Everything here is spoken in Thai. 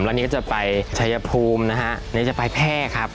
แล้วนี้ก็จะไปชายพูมนะฮะนี้ก็จะไปแพ่ครับ